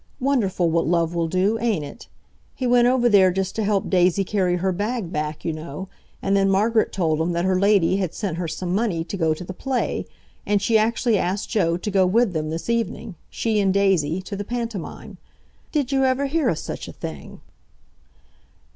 Wonderful what love will do, ain't it? He went over there just to help Daisy carry her bag back, you know, and then Margaret told him that her lady had sent her some money to go to the play, and she actually asked Joe to go with them this evening—she and Daisy—to the pantomime. Did you ever hear o' such a thing?"